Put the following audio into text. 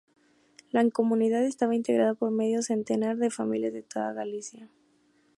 La comunidad estaba integrada por medio centenar de familias de toda Galicia.